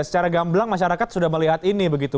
secara gamblang masyarakat sudah melihat ini begitu